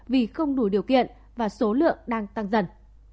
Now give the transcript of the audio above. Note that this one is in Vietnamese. vì không đủ điều kiện và số lượng đang tăng dần